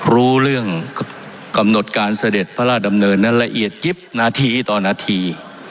รู้เรื่องกำหนดการเสด็จพระราชดำเนินนั้นละเอียดยิบนาทีต่อนาที